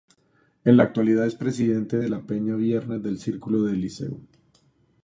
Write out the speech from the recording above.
En la actualidad es presidente de la Peña Viernes del Círculo del Liceo.